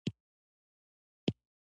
په شمال کې غنم او ډوډۍ ډیره خوري.